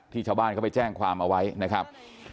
ชาวบ้านเขาไปแจ้งความเอาไว้นะครับ